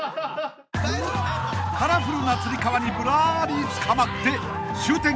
［カラフルなつり革にぶらりつかまって終点